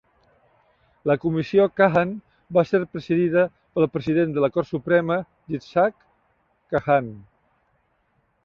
La Comissió Kahan va ser presidida pel President de la Cort Suprema, Yitzhak Kahan.